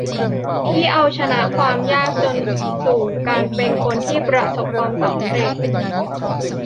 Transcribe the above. ที่เอาชนะความยากจนสู่การเป็นคนที่ประสบความสำเร็จ